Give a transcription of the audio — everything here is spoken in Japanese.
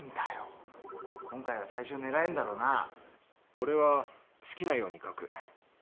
俺は好きなように書く。